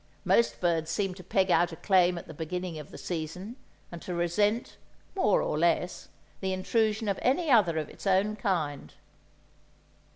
Most birds seem to peg out a claim at the beginning of the season, and to resent, more or less, the intrusion of any other of its own kind.